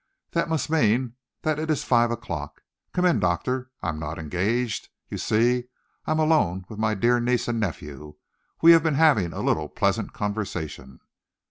That must mean that it is five o'clock. Come in, Doctor. I am not engaged. You see, I am alone with my dear niece and nephew. We have been having a little pleasant conversation."